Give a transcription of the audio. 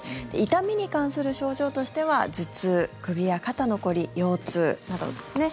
痛みに関する症状としては頭痛、首や肩の凝り腰痛などですね。